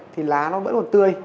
thì lá nó vẫn còn tươi